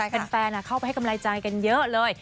เป็นแฟนเข้าไปให้กำไรจ่ายกันเยอะเลย